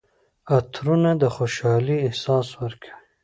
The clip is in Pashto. عطرونه د خوشحالۍ احساس ورکوي.